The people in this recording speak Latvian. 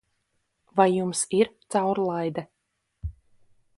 Vai Jums ir caurlaide?